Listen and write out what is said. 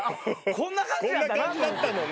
こんな感じだったのね。